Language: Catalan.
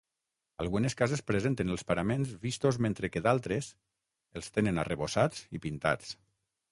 Algunes cases presenten els paraments vistos mentre que d'altres els tenen arrebossats i pintats.